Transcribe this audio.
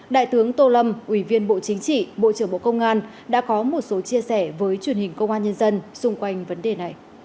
đại tướng tô lâm ủy viên bộ chính trị bộ trưởng bộ công an đã có một số chia sẻ với truyền hình công an nhân dân